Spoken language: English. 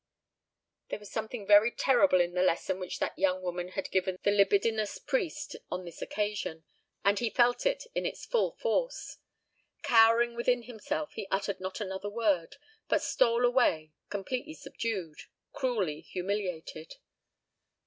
There was something very terrible in the lesson which that young woman gave the libidinous priest on this occasion; and he felt it in its full force. Cowering within himself, he uttered not another word, but stole away, completely subdued—cruelly humiliated.